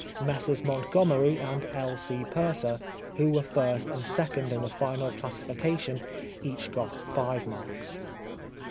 Messrs Montgomery and L. C. Purser, who were first and second in the final classification, each got five marks.)